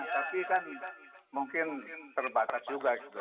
tapi kan mungkin terbatas juga gitu